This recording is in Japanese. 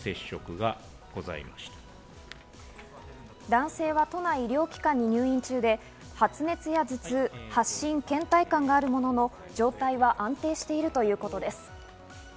男性は都内医療機関に入院中で、発熱や頭痛、発疹、倦怠感があるものの、状態は安定しているということです。